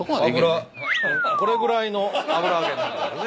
これぐらいの油揚げになるんですよね。